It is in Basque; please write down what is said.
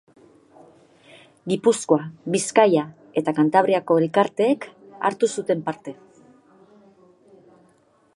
Gipuzkoa, Bizkaia eta Kantabriako elkarteek hartu zuten parte.